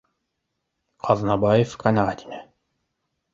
Ҡаҙнабаев ҡәнәғәт ине: